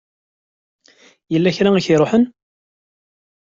Yella kra i k-iruḥen?